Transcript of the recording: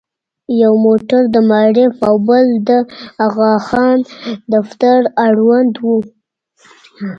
یو موټر د معارف او بل د اغاخان دفتر اړوند و.